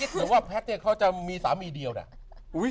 หรือว่าแพทย์เนี่ยเขาจะมีสามีเดียวเนี่ย